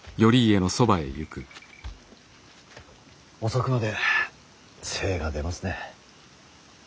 遅くまで精が出ますね。